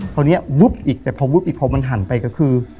คราวนี้วุบอีกแต่พอวุบอีกพอมันหันไปก็คือ